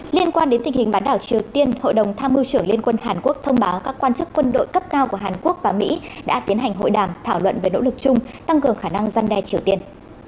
liên quan đến tình hình bán đảo triều tiên hội đồng tham mưu trưởng liên quân hàn quốc thông báo các quan chức quân đội cấp cao của hàn quốc và mỹ đã tiến hành hội đàm thảo luận về nỗ lực chung tăng cường khả năng gian đe triều tiên